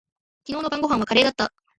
昨日の晩御飯はカレーだった。